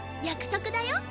約束だよ。